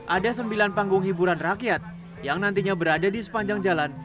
ada sembilan panggung hiburan rakyat yang nantinya berada di sepanjang jalan